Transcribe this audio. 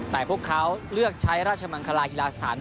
แต่พวกเขาเลือกใช้ราชมังคลาฮิลาสถาน